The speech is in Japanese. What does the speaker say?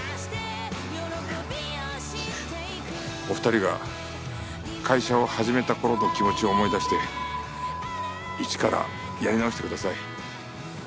お二人が会社を始めた頃の気持ちを思い出して一からやり直してください。